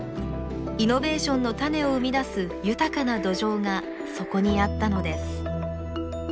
イノベーションの種を生み出す豊かな土壌がそこにあったのです。